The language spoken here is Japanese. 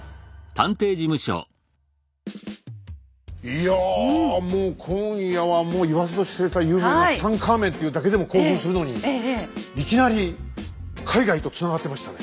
いやもう今夜は言わずと知れた有名なツタンカーメンっていうだけでも興奮するのにいきなり海外とつながってましたね。